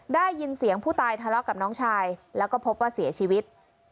ได้ยินเสียงผู้ตายทะเลาะกับน้องชายแล้วก็พบว่าเสียชีวิต